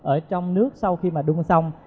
ở trong nước sau khi mà đun xong